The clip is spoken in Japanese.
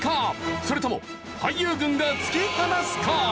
それとも俳優軍が突き放すか？